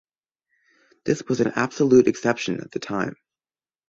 This was an absolute exception at the time.